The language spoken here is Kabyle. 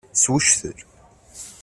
Swectel.